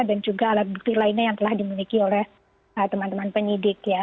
dan juga alat bukti lainnya yang telah dimiliki oleh teman teman penyidik